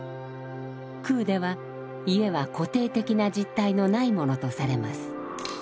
空では家は固定的な実体のないものとされます。